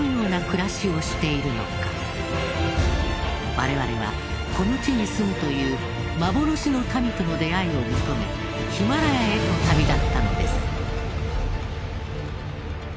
我々はこの地に住むという幻の民との出会いを求めヒマラヤへと旅立ったのです。